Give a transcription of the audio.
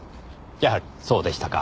やはりそうでしたか。